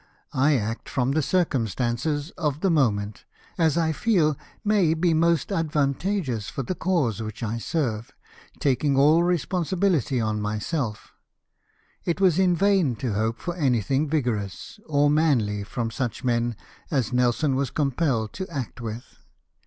I act from the circumstances of the mo ment, as I feel may be most advantageous for the cause which I serve, taking all responsibility on my self" It was in vain to hope for anything vigorous or manly from such men as Nelson was compelled to act with.